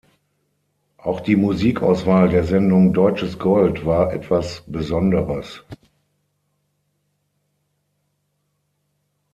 Auch die Musikauswahl der Sendung "Deutsches Gold" war etwas Besonderes.